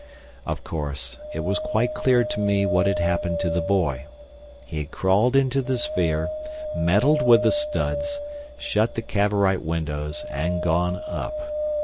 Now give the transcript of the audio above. Of course, it was quite clear to me what had happened to the boy. He had crawled into the sphere, meddled with the studs, shut the Cavorite windows, and gone up.